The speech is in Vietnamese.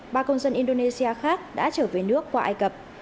ba công dân indonesia khác đã trở về nước qua ai cập